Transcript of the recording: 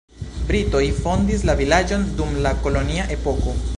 Britoj fondis la vilaĝon dum la kolonia epoko.